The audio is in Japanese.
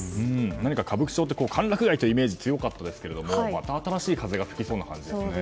何か歌舞伎町って歓楽街というイメージが強かったですけどまた新しい風が吹きそうな感じですね。